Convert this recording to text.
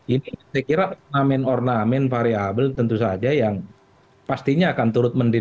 ini saya kira ornamen ornamen variable tentu saja yang pastinya akan turut mendiri